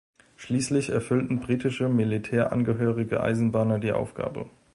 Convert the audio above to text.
Schließlich erfüllten britische militärangehörige Eisenbahner die Aufgabe.